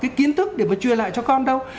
cái kiến thức để mà truyền lại cho con đâu